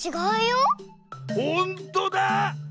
ほんとだ！